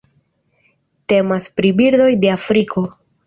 Temas pri birdoj de Afriko.